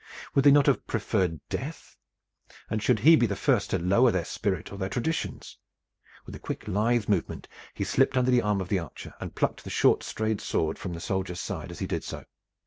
Would they not have preferred death? And should he be the first to lower their spirit or their traditions? With a quick, lithe movement, he slipped under the arm of the archer, and plucked the short, straight sword from the soldier's side as he did so.